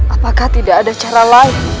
apakah tidak ada cara lain